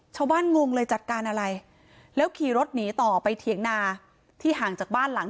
งงเลยจัดการอะไรแล้วขี่รถหนีต่อไปเถียงนาที่ห่างจากบ้านหลัง